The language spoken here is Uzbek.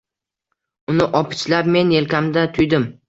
Uni opichlab men, yelkamda tuydim